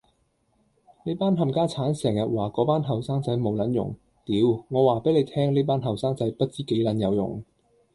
你班冚家剷成日話果班後生仔冇撚用，屌，我話俾你聽呢班後生仔不知幾撚有用